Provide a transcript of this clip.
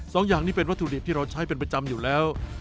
สองอย่างนี้เป็นวัตถุดิบที่เราใช้เป็นประจำอยู่แล้ว